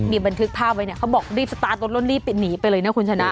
มีบันทึกภาพไว้เนี่ยเขาบอกรีบสตาร์ทรถแล้วรีบหนีไปเลยนะคุณชนะ